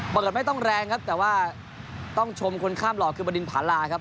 เปิดไม่ต้องแรงครับแต่ว่าต้องชมคนข้ามหลอกคือบดินผาลาครับ